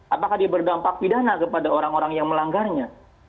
apakah dia berdampak pidana kepada orang orang yang melanggarnya